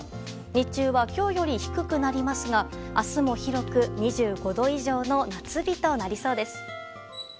日中は今日より低くなりますが明日も広く２５度以上の夏日となりそうです。